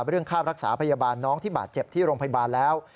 เรื่องค่ารักษาพยาบาลน้องที่บาดเจ็บที่โรงพยาบาลแล้ว